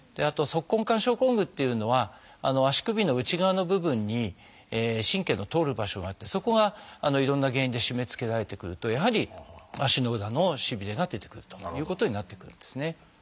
あとは足根管症候群っていうのは足首の内側の部分に神経の通る場所があってそこがいろんな原因で締めつけられてくるとやはり足の裏のしびれが出てくるということになってくるんですね。